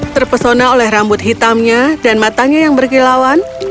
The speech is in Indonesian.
terpesona oleh rambut hitamnya dan matanya yang berkilauan